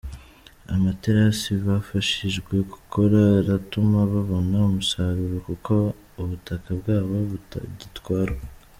Amaterasi bafashijwe gukora aratuma babona umusaruro kuko ubutaka bwabo butagitwarwa.